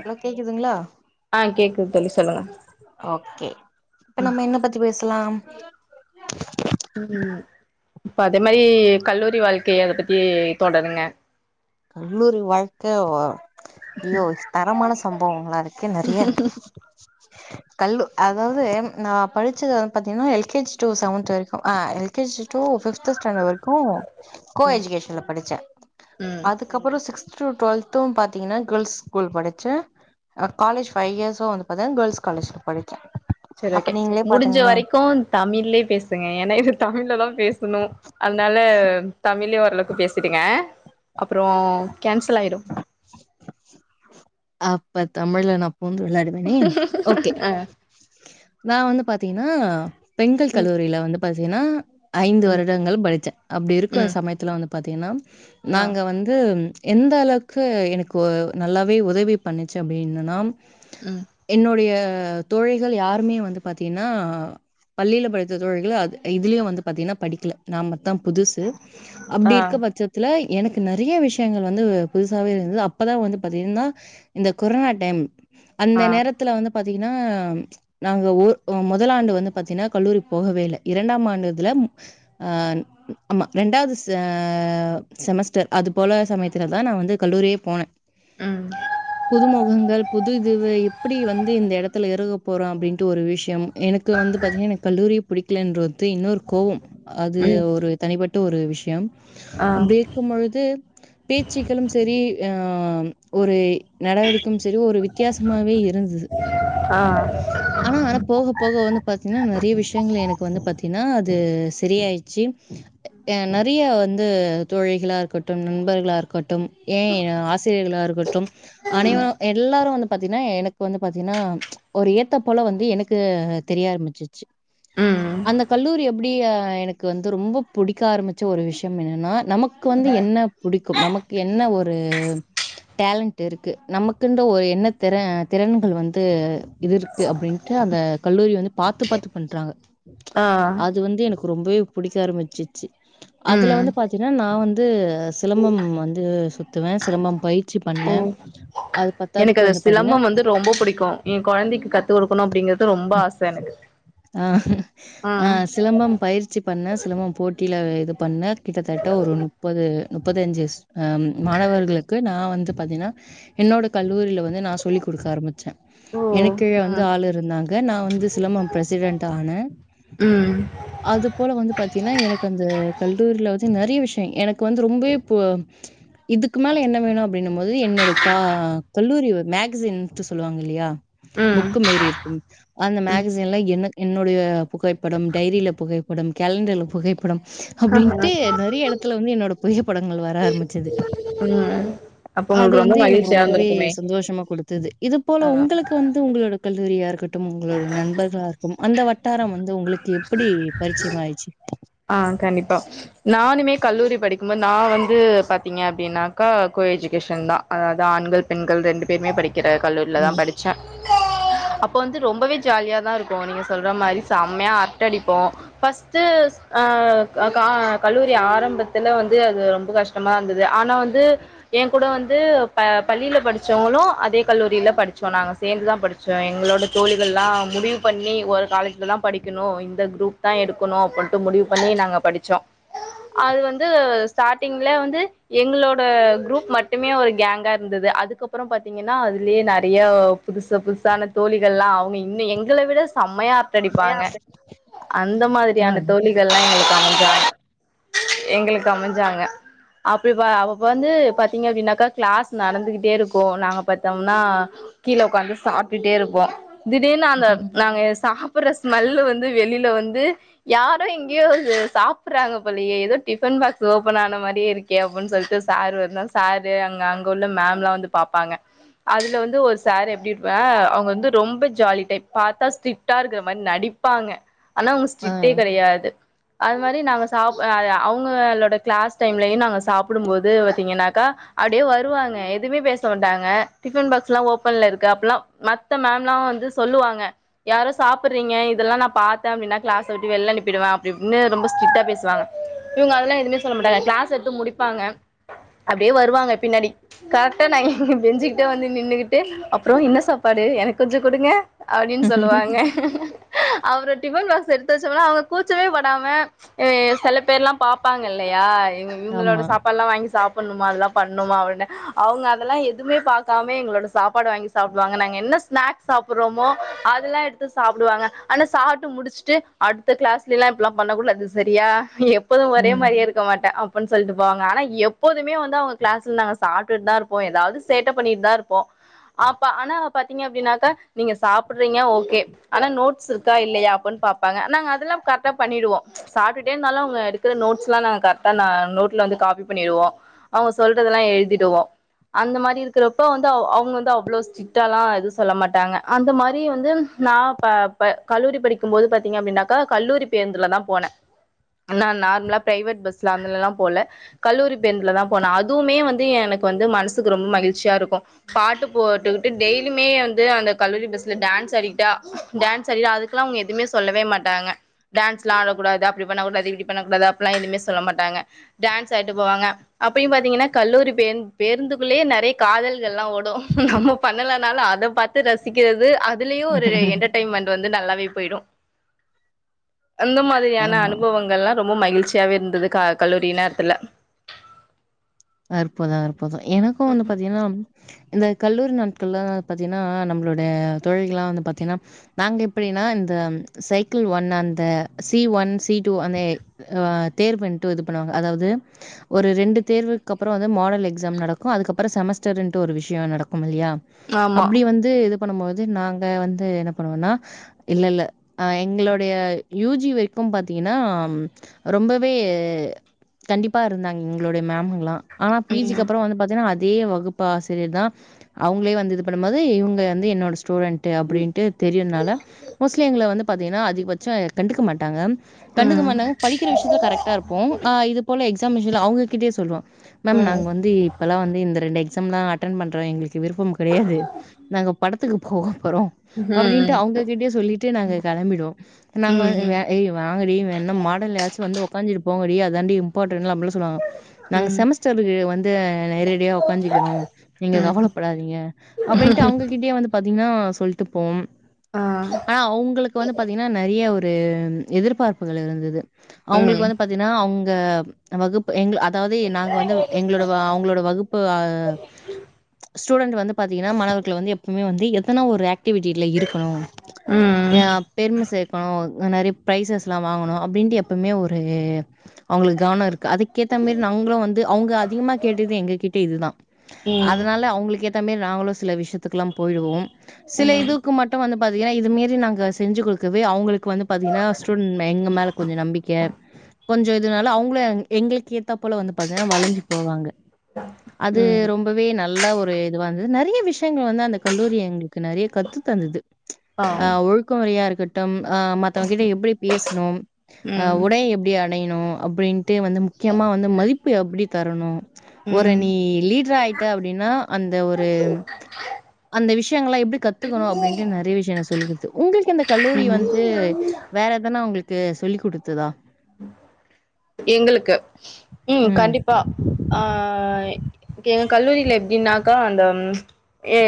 Hello கேக்குதுங்களா ஆ கேக்குது தோழி சொல்லுங்க ஓகே இப்ப நம்ம என்ன பத்தி பேசலாம் உம் இப்ப அதே மாரி கல்லூரி வாழ்க்கை அத பத்தி தொடருங்க கல்லூரி வாழ்க்க வ ஐயோ தரமான சம்பவங்களா இருக்கே நெறைய கல்லு அதாவது நா படிச்சது வந்து பாத்தீங்கன்னா எல்கேஜி டூ செவன்த் வரைக்கு அ எல்கேஜி டூ ஃபிப்த் ஸ்டாண்டர்ட் வரைக்கு கு கோ ம் எஜுகேஷன்ல படிச்ச ம் அதுக்கப்ற சிக்ஸ் சிக்ஸ் டு ட்வெல்த்து பாத்தீங்கன்னா கேள்ஸ் ஸ்கூல் படிச்ச காலேஜ் ஹ ஃபைவ் இயர்ஸ் வந்து பாத்த க்ர்ள்ஸ் காலேஜ் படிச்ச சரி ஓகே முடிஞ்ச வரைக்கு தமிழ்லே பேசுங்க ஏனா இது தமிழ்ல தா பேசணு அதனால தமிலே வ எவ்ளோக்கு பேசடுங்க அப்றோ கேன்சல் ஆயிடு அப்ப தமிழ் நா பூந்து விளையாடுவனே ஓகே ஆ நா வந்து பாத்தீங்கன்னா பெண்கள் ம் கல்லூரியில வந்து பா த்தினா ஐந்து ம் வருடங்கள் படிச்சே அப்டி இருக்கு ம் சமயத்துல வந்து பாத்திங்னா ஆ நாங்க வந்து எந்த அளவுக்கு எனக்கு வோ நல்லாவே உதவி பண்ணிச்சு அப்டின்னனா ம் என்னுடைய அ தோழிகள் யாருமே வந்து பாத்தீங்னா பள்ளியில படித்த தோழிகள் அ இதுலய வந்து பாத்தீங்கனா படிக்கல நாமத் தா புதுசு அப்டி ஆ இருக்க பட்சத்துல எனக்கு நெறைய விஷயங்கள் வந்து புதுசாகவே இருந்தது அப்பதா வந்து பாத்தீங்கன்னா இந்த கொரோனா டைம் அந்த ஆ நேரத்துல வந்து பாத் தீங்கன்னா நாங்க ஒர் முதலாண்டு வந்து பாத்தீங்கன்னா கல்லூரி போகவே இல்ல இரண்டாம் ஆண்டு இதுல அ ஆமா ரெண்டாவது செ செமஸ்டர் அது போல சமயத்துல தா நா வந்து கல்லூரியே போனே உம் புது முகங்கள் புது இதுவு எப்டி வந்து இந்த எடத்துல இருக போறோ அப்படின்ட்டு ஒரு விஷயம் எனக்கு வந்து பாத்தீங்கன்னா எனக்கு கல்லூரி புடிக்கிலேன்ரு த்து இன்னொரு கோவம் அது ம் ஒரு தனிப்பட்ட ஒரு விஷயம் ஆ அப்படி இருக்கும் பொழுது பேச்சுக்களும் சரி ஆஹ் ஒரு நடவடிக்கையம் செரி ஒரு வித்தியாசமாவே இருந்தது ஆ ஆனா ஆனா போக போக வந்து பாத்தீங்கன்னா நிறைய விஷயங்கள் எனக்கு வந்து பாத்தீன்னா அது சரி ஆயிச்சி அ நெறைய வந் து தோழிகலா இருக்கட்டும் நண்பர்களாக இருக்கட்டும் ஏ ஆசிரியர்களாக இருக்கட்டும் அனைவரு எல்லா வந்து பாத்தீன்னா எனக்கு வந்து பாத்தீஙகன்னா ஒரு ஏத்த போல வந்து எனக்கு தெரிய ஆரம்பிச்சு ம் அந்த கல்லூரி எப்படி எனக்கு வந்து ரொம்ப புடிக்க ஆரம் பிச்ச ஒரு விஷயம் என்னன்னா நமக்கு வந்து என்ன புடிக்கும் நமக் என்ன ஒரு டலண்ட் இருக்கு நமக்குன்ற ஒரு என்ன திற திறன்கள் வந்து இது இருக்கு அப்படின்ட்டு அந்த கல்லூரி வந்து பாத்து பாத்து பண்றாங்க ஆ அது வந்து எனக் ரொம்பவே புடிக்க ஆரம்பிச்சிச்சு அதில ம் வந்து பாத்தீன்னா நா வந்து சிலம்பம் வந்து சுத்துவ சிலம்பம் பயிற்சி பண்ண ம் எனக்கு அது சிலம்பம் வந்து ரொம்ப புடிக்கு என் கொழந்தைக்கு கத்து கொடுக்கணு அப்டிங்கறது ரொம்ப ஆச எனக்கு அ ம் பண்ண சிலம்ப போட்டியில இது பண்ண கிட்டத்தட்ட ஒரு முப்பது பத்தஞ்சு மாணவர்களுக்கு நா வந்து பாத்தீனா என்னோட கல்லூரில வந் து நா சொல்லி குடுக்க ஆரமிச்ச ம் எனக்கு வந்து ஆளு இருந்தாங்க நா வந்து சிலம்பம் ப்ரெசிடென்ட் ஆன ம் அது போல வந்து பாத்தீனா எனக்கு அந்த கல்லூரில நெறைய விஷய எனக்கு வந்து ரொம்பவே இப்ப இதுக்கு மேல என்ன வேணு அப்படின்னும்போது என்னோட க கல்லூரி மேகசின்ட்டு சொல்லுவாங்க இல்லையா ம் ம் புக் மேரி இருக்கு அந்த மேகசின்ல எனக் என்னுடைய புகைப்படம் டைரில புகை படம் கேலண்டர்ல புகைப்படம் அப்டின்ட்டு நெறைய எடத்துல வந்து என்னோட புகை படங்கள் வர ஆரம்பிச்சது அப்ப அது உங்களுக்கு ரொம்ப வந் தது எனக்கு மகிழ்ச்சியா ரொம்பவே இருந்திருக்குமே சந்தோஷம குடுத்தது இது ஆ போல உங்களுக்கு வந்து உங்களோட கல்லூரியா இரு டும் உங்களுடைய நண்பர்களாகும் அந்த வட்டார வந் து உங்களுக்கு எப்படி பரிச்சயமாச்சு ஆ கண்டிபா நானுமே கல்லூரி படிக் நா வந்து பாத்தீங்க அப்டினாக்கா கோ எஜுகேஷன் அதாவ்து ஆண்கள் பெண்கள் ரெண்டு பேருமே படிக் கற கல்லூரிலதா ம். படிச்சே அப்போ வந்து ரொம்பவே ஜாலியாதா இருகு நீங்க சொல்ற மாரி செம்மயா அரட்ட அடிபோ ஃபஸ்ட்டு ஆ க கல்லூரி ஆரம்பத்துல வந்து அது ரொம்ப கஷ்டமா இருந்தது ஆனா வந்து எ கூட வந் து ப பள்ளில படிச்சவங்ளு அதே கல்லூரில படி ச்சோ நாங்க சேந்துதா படி ச்சோ எங்ளோட தோழிகள்லா முடிவ் பண்ணி ஒரு காலேஜ்லதா படிகணு இந்த குரூப்தா எடுகணு அப்ன்னு முடிவு பண்ணி நாங்க படிச்சோ அது வந்து ஸ்டார்டிங்ல வந்து எங்களோட குரூப் மட்டுமே ஒரு கேங்கா இருந்தது அதுக்கப்றொ பாத்தீங்கனா அதிலே நெறயா புதுஸ் புதுஸான தோழிகள்ல்லா அவுங்க இன்னு எங்கள விட செம யா அரட்டடிபாங்க அந்த ஆ மாரியான தோழிகள்லா எங்களுக்கு அமஞ்சாங்க எங்களுக்கு அமஞ்சாங்க அப்பீப்பா அப் வந்து பாத்தீங்க அப்டினாக்கா கிளாஸ் நடந்துகிட்டே இருக்கு நாங்க பாத்தம்னா கீழ உக்காந்து சாப்டுட்டே இருப்போ திடீர்னு அந்த நாங்க சாப்டுற ஸ்மெல்லு வந்து வெளில வ ந்து யாரோ எங்கேயோ சாப்றாங்க போலயே எதோ டிஃபன் பாக்ஸ் ஓப்பன் ஆன மாரியே இருக்கே அப்டின் சொல்ட்டு சாரு வர்னு சாரு அங்க அங்க உள்ள மேம்ல்லா வந்து பாப்பாங்க அதுல வந்து ஒரு சாரு எப்டி இருப்பா அ அவர் வந்து ரொம்ப ஜாலி டைப் பாத்தா ஸ்ட்ரிக்டா இருக்கிற மாதரி நடிப்பாங்க ஆனா ஆ மிஸ்ஸ்டிவ் டீ கெடயாது அது மாரி நாங்க சாப் எ அவுங்களோட கிளாஸ் டைம்லயு நாங்க சாப்டும்போது பாத்தீங்னாக்கா அப்டியே வருவாங்க எதுமே பேச மாட்டாங்க டிஃபன் பாக்ஸ்லா ஓப்பன்ல இருக்கு அப்பலா மத்த மேம்ல்லா வந்து சொல்லுவாங்க யாரோ சாப்பறீங்க இதெல்லா நா பாத்த அப்டினா கிளாஸ் சொல்ட்டு வெளில அனுபிடுவ அப்டி இப்டினு ரொம்ப ஸ்ட்ரிட்டா பேசுவாங்க இவுங்க அதெல்லா எதுமே சொல்ல மாட்டாங்க கிளாஸ் எத்து முடிபாங்க அப்டியே வருவாங்க பின்னாடி ப்ச் கரெக்டா நா எங்க பெஞ்சுகிட்ட வந்து நின்னுகிட்டு அப்றொ என்ன சாப்பாடு எனக்கு கொஞ்சொ குடுங்க அப்டினு சொல்லுவாங்க அப்றொ டிஃவன் பாக்ஸ் எடுத் சில சமயமெல்லா அவுங்க கூச்சமே படாம சில பேரெல்லா பாப்பாங்க இல்லயா ஏங்க இவுங்களோட ஆமா சாப்பாடெல்லா வாங்கி சாப் பண்ணுமா அதெல்லா பண்ணுமா உடனே அவுங்க அதெல்லா எதுமே பாக்காம எங்களோட சாப்பாடு வாங்கி சாப்டுவாங்க நாங்க என்ன ஸ்நாக்ஸ் சாப்றோமோ அதெல்லா எடுத்து சாப்டுவாங்க ஆனா சாப்ட்டு முடிச்சுட்டு அடுத்த கிளாஸ்லில்லா இப்பல்லா பண்ண கூடாது சரியா இப்பதா ஒரே ம் மாரியே இருக்க மாட்ட அப் ப்பன் சொல்ட்டு போவாங்க ஆனா எப்போ மே வந்து அவுங்க க்ளாஸ்ல நாங்க சாப்டுட்டுதா இருப்போ எதாவது சேட்டை பண்ணிட்டுதா இருப்போ அப்ப ஆனா பாத்தீங்க அப்டினாக்கா நீங்க சாப்டுறீங்க ஓகே ஆனா நோட்ஸ் இருக்கா இல்லையா அப்பன் பா பாங்க நாங்க அதெல்லா கரெட்டா பண்ணிடுவோ சாப்டுட்டே இருந்தாலு அவுங்க எடுக்கிற நோட்ஸ்ல்லா கரெட்டா நா நோட்ல வந்து காபி பண்ணிறருவோ அவுங்க சொல்றதெல்லா எழுதிடுவோ அந்த மாரி இருக்கிறப்ப வந்து அவுங்க வந்து அவ்ளோ ஸ்ட்ரிட்டால்லா எதுவு சொல்ல மாட்டாங்க அந்த மாரி வந்து நா ப ப கல்லூரி படிக்கும்போது பா த்தீங்க அப்டினாக்கா கல்லூரி பேருந்துலதா போன ஆனா நார்மலா ப்ரைவேட் பஸ்ல அதுலல்லா போல கல்லூரி பேருந்துலதா போன அதுமே வந்து எனக்கு வந்து மனசுக்கு ரொம்ப மகிழ்ச்சியா இருக்கு பாட்டு போட்டுகிட்டு டெய்லியுமே வந்து அந்த கல்லூரி பஸ்ல டான்ஸ் ஆடிட்டு டான்ஸ் அதுக்கெல்லா அவுங்க எதுமே சொல்லவே மாட்டாங்க டான்ஸ்ல்லா ஆடக்கூடாது அப்டி பண்ணக்கூடாது இப்டி பண்ணக்கூடாது அப்பல்லா எதுமே சொல்ல மாட்டாங்க டான்ஸ் ஆடிட்டு போவாங்க அப்பயு பாத்தீங்கனா கல்லூரி பே பேருந்துக்குள்ளயே நெறய காதல்கள்ல்லா ஓடு நம்ம பண்ணலனாலு அத பாத்து ரசிக்கிறது அதுலயு ஒரு என்டர்டெய்ன்மெண்ட் வந்து நல்லாவே போய்டு அந்த மாதிரியான ஆமா அனுபவங்கள்ல்லா ரொம்ப மகிழ் ச்சியாவே இருந்தது கல்லூரி நேரத்துல இருப்பதா தா எனக்கு வந்து பாத்தீங்கனா இந்த கல்லூரி நாட்கள்ல பாத்தீங்கனா நம்மளோட தோழிகள்ளெல்லாம் வந்து பாத்தீங்கனா நாங்க எப்டினா இந்த சைக்கிள் ஒன் அந்த சி ஒன் சி டூ அந்த அ தேர்வுன்ட்டு இது பண்ணுவாங்க அதாவது ஒரு ரெண்டு தேர்வு அப்புறோம் வந்து மாடல் எக்ஸாம் நடக்கும் அதுக்கப்புறம் செமஸ்டர்ன்ட்டு ஒரு விஷயம் நடக்குமில்லையா ஆமா அப்டி வந்து இது பண்ணும் போது நாங்க வந்து என்ன பண்ணுவோனா இல்ல இல்ல ஆ எங்களுடைய யூஜி வரைக்கும் பாத்தீங்கன்னா ரொம்பவே கண்டிப்பா இருந்தாங்க எங்களுடைய மேமுங்கெல்லாம் ஆனா பிஜிக்கு ம் அப்புறோம் வந்து பாத்தீங்கனா அதே வகுப்பு ஆசிரியர் தா அவங்களே வந்து இது பண்ணும்போது இவங்க வந்து என்னோட ஸ்டூடெண்ட்டு அப்டின்ட்டு தெரியுனால மோஸ்ட்லி எங்கள வந்து பாத்தீங்கனா அதிகபட்சம் கண்டுக்க மாட் டாங்க கண்டுக்க ம் மாட்டாங்க படிக்கிற விஷயத்துல கரெக்டா இருப்போ இது போல எக் சமயத்துலேஅவங்ககிட்டயே சொல்லு மேம் நாங்க வந்து இப்பெல்லாம் வந்து இந்த ரெண்டு எக் ஸம் தா அட்டன் பண்ற எங்களுக்கு விருப்பம் கிடையாது நாங்க படத்துக்கு போவோ போறோம் அப்டின்ட்டு ம் அவங்ககிட்டயே சொல்லிட்டு நாங்க கெளம்பிடுவோம் நாங்க ம் வ ஏய் வாங்க டி என்ன மாடல்ன்னுயாச்சு வந்து உக்காந்து போங்கடி அதான்டி இம்பார்ட் டண்ட் அப்டிலாம் சொல்லுவாங்க ம் நாங்க ம் செமஸ் டர்க்கு வந்து நேரடியா உக்காஞ்சிக்கிறோ நீங்க கவலைப்படாதீங்க அப்டின்ட்டு அவங்ககிட்டயே வந்து பாத்தீங்கனா சொல்லிட்டு போம் ஆ ஆனா அவங்களுக்கு வந்து பாத்தீங்கனா நெறைய ஒரு ஒரு எதிர்பார்ப்புகள் இருந்தது ம் அவங்களுக்கு வந்து பாத்தீஙகனா அவுங் க வகுப்பு எங்க அர்ஜ அதாவது நாங்க வந்து எங்களோட அவங்களோட வகுப்பு ஸ்டூடெண்ட் வந்து பாத்தீங்கன்னா மாணவர்கள் எப்பவுமே வந்து எத்தனா ஒரு ஆக் ஆக்டிவிட்டில இருக்கணும் ம் ஆஹ் பெருமை சேர்க்கணும் நிறைய பிரைசஸ் எல்லாம் வாங்கணும் அப்படின்ட்டு எப்பவுமே ஒரு அவங்களுக்கு கவனம் இருக்கு அதுக்கேத்த மாதிரி நாங்களும் வந்து அவங்க அதிகமா கேட்டது எங்க கிட்ட இதுதான் ம் அதனால அவங்களுக்கு ஏத்த மாதிரி நாங்களும் சில விஷயத்துகெலாம் போயிடுவோம் சில இதுக்கு மட்டும் வந்து பாத்தீங்கன்னா இது மாரி நாங்க செஞ்சு கொடுக்கவே அவங்களுக்கு வந்து பாத்தீங்கன்னா ஸ்டூடன்ட் எங்க மேல கொஞ்சம் நம்பிக்கை கொஞ்சம் இதுனால அவங்களு எங்களுக்கு ஏத்தா போல வந்து ப்பா வளைஞ்சி போவாங்க அது ம் ரொம்பவே நல்ல ஒரு இது வந்தது நிறைய விஷயங்கள் வந்து அந்த கல்லூரி எங்களுக்கு நிறைய கத்து தந்தது ஆ ஆஹ் ஒழுக்க முறையா இருக் கட்டும் ஆஹ் மத்தவங்க கிட்ட எப்படி பேச னோம் ஆஹ் ம் உட எப்படியா அணியணும் அப்படின்ட்டு வந்து முக்கியமா வந்து மதிப் பு எப்டி தரணும் ஒரு ம் நீ லீடரா ஆயிட்ட அப்படின்னா அந்த ஒரு அந்த விஷயங்களாம் எப்படி கத்துக்கணும் அப்படின்ட்டு நிறைய விஷயம் நான் சொல்லிகொடுத்தேன் உங்களுக்கு அந்த ம் கல்லூரி வந்து வேற எதானா உங்களுக்கு சொல்லிக் கொடுத்ததா எங்களுக்கு உம் ம். கண்டிப்பா ஆஹ் எங்க கல்லூரியில எப்படின்னாக்கா அந்த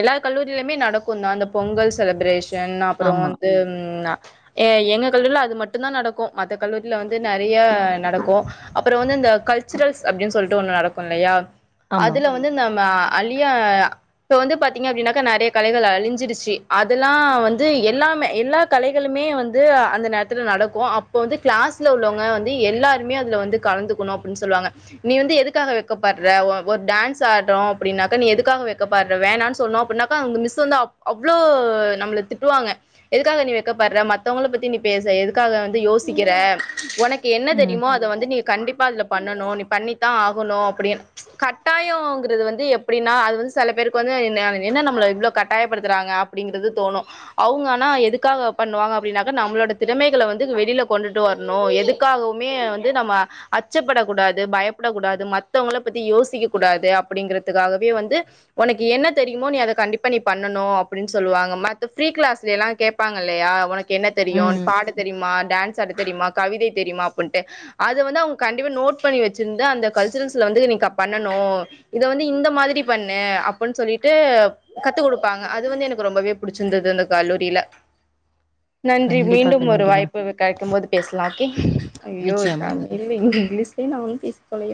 எல்லா கல்லூரியிலயுமே நடக்கும் தான் அந்த பொங்கல் செலப்ரேஷ் சன் அப்புறம் ஆமா, வந்து எ எங்க கல்லூரில அது மட்டும் தான் நடக்கும் மத்த கல்லூரில வந்து நிறைய நடக்கும் அப்புறம் வந்து இந்த கல்சுரல்ஸ் அப்படின்னு சொல்லிட்டு ஒண்ணும் நடக்கும் இல்லையா ஆமா. அதுல வந்து நம்ம அழியா இப்போ வந்து பாத்தீங்க அப்படின்னாக்கா நிறைய கலைகள் அழிஞ்சிருச்சு அதெல்லாம் வந்து எல்லாமே எல்லா கலைகளுமே வந்து அந்த நேரத்தில் நடக்கும் அப்போ வந்து கிளாஸ்ல உள்ளவங்க வந்து எல்லா ருமே அதுல வந்து கலந்துக்கனும் அப்பிடின்னு சொல்வாங்க நீ வந்து எதுக்காக வெக்க படுற ஒ ஒரு டான்ஸ் ஆடுறோம் அப்டீனா நீ எதுக்காக வெக்கப்படுற வேணாம்னு சொன்னோம் அப்டீனாக்கா மிஸ் வந்து அவளோ நம்மள திட்டுவாங்க எதுக்காக நீ வெக்க படுற மத்தவங்கள பத்தி நீ பேச எதுக்காக நீ யோசிக்கிற உனக்கே என்ன தெ ம், இத வந்து நீ கண்டிப்பா பண்ணனும் நீ பண்ணி தான் ஆகணும் அப்பிடின்னு கட்டாயக்குறது வந்து எப்பிடினா அது வந்து சில பேருக்கு வந்து என்ன நம்மள இவளோ கட்டாய படுத்துறாங்க அப்டீங்கிறது தோணும் அவுங்க ஆனா எதுக்காக பண்ணுவாங்க அப்டீனக்கா நம்மளோட திறமைகள வந்து வெளில கொண்டுட்டுட்டு வரணும் எதுக்காக மே வந்து நம்ம அச்சப்படக்கூடாது பயப்படக்கூடாது மத்தவங்கள பத்தி யோசிக்க கூடாது அப்படிங்கறதுக்காகவே வந்து உனக்கு என்ன தெரியுமோ நீ அதை கண்டிப்பா நீ பண்ணனும் அப்படின்னு சொல்லுவாங்க மத்த பிரீ கிளாஸ்ல எல்லாம் கேட்பாங்க இல்லையா உனக்கு என்ன தெரியும் ம். பாட தெரியுமா டான்ஸ் ஆட தெரியுமா கவிதை தெரியுமா வன்ட்டு அது வந்து அவங்க கண்டிப்பா நோட் பண்ணி வச்சிருந்தா அந்த கல்சுரல்ஸ்ல வந்து நீ பண்ணனும் இத வந்து இந்த மாதிரி பண்ணு அப்படின்னு சொல்லிட்டு கத்து கொடுப்பாங்க அது வந்து எனக்கு ரொம்பவே புடிச்சிருந்தது அந்த கல்லூரில நன்றி கண்டிப்பா, மீண்டும் ஒரு கண்டிப்பா. வாய்ப்பு கிடைக்கும் போது பேசலாம் ஓகே யோ நிச்சயமா. தான இல் இங்க இங்கிலீஷலய நானும் பேசிதொலைறேன்